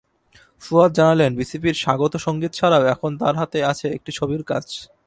ফুয়াদ জানালেন, বিসিবির স্বাগত সংগীত ছাড়াও এখন তাঁর হাতে আছে একটি ছবির কাজ।